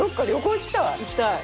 行きたい。